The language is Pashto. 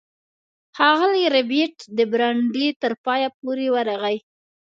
ښاغلی ربیټ د برنډې تر پایه پورې ورغی